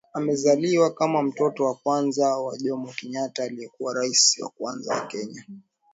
Amezaliwa kama mtoto wa kwanza wa Jomo Kenyatta aliyekuwa rais wa kwanza wa Kenya